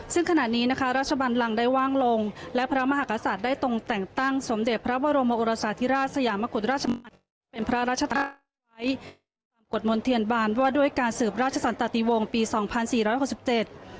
ซึ่งขณะนี้นะคะราชบันลังได้ว่างลงและพระมหากษัตริย์ได้ตรงแต่งตั้งสมเด็จพระบรมโอรสาธิราชสยามกุฎราชมัติเป็นพระราชไว้ตามกฎมนต์เทียนบานว่าด้วยการสืบราชสันตติวงศ์ปีสองพันสี่ร้อยหกสิบเจ็ด